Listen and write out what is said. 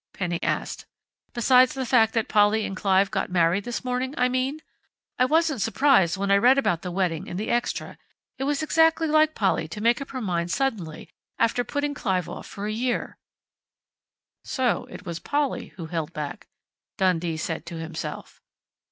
Penny asked. "Besides the fact that Polly and Clive got married this morning, I mean.... I wasn't surprised when I read about the wedding in the extra. It was exactly like Polly to make up her mind suddenly, after putting Clive off for a year " "So it was Polly who held back," Dundee said to himself.